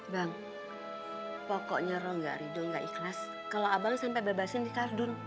bang pokoknya elu nggak rido nggak ikhlas kalau abang lu sampai bebasin si kardun